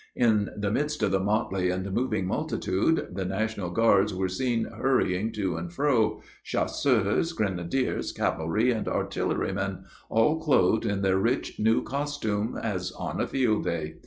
In the midst of the motley and moving multitude, the National Guards were seen hurrying to and fro; chasseurs, grenadiers, cavalry and artillery men, all clothed in their rich new costume, as on a field day.